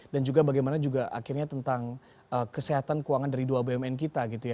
dan juga bagaimana juga akhirnya tentang kesehatan keuangan dari dua bbm kita gitu ya